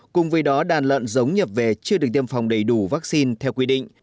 cùng với đó đàn lợn giống nhập về chưa được tiêm phòng đầy đủ vaccine theo quy định